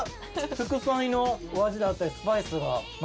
副菜のお味だったりスパイスが交わって。